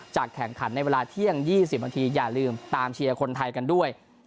แข่งขันในเวลาเที่ยง๒๐นาทีอย่าลืมตามเชียร์คนไทยกันด้วย